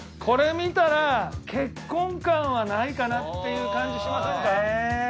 これ見たら結婚感はないかなっていう感じしませんか？